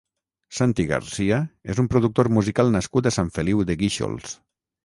Santi Garcia és un productor musical nascut a Sant Feliu de Guíxols.